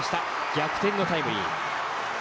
逆転のタイムリー。